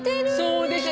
そうでしょ